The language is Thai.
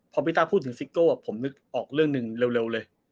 พอพี่ต้าพูดถึงซิโก้ผมนึกออกเรื่องหนึ่งเร็วเลย